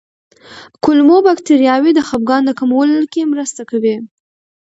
کولمو بکتریاوې د خپګان د کمولو کې مرسته کوي.